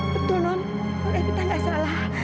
betul non evita gak salah